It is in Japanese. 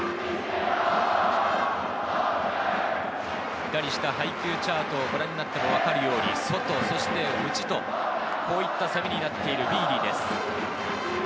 左下、配球チャートをご覧になってもわかるように、外、内とこういう攻めになっているビーディです。